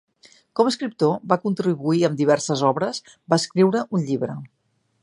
Com a escriptor, va contribuir amb diverses obres, va escriure un llibre.